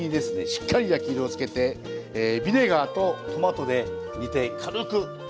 しっかり焼き色をつけてビネガーとトマトで煮て軽く仕上げたお料理でございます。